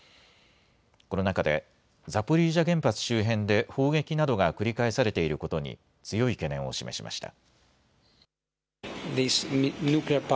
この中でザポリージャ原発周辺で砲撃などが繰り返されていることに強い懸念を示しました。